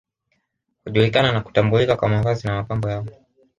Hujulikana na kutambulika kwa mavazi na mapambo yao